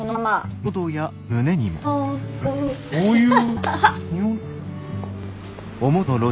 どういう。